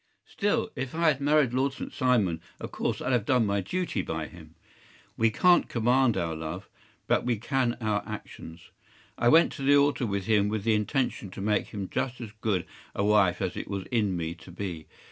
“Still, if I had married Lord St. Simon, of course I’d have done my duty by him. We can’t command our love, but we can our actions. I went to the altar with him with the intention to make him just as good a wife as it was in me to be.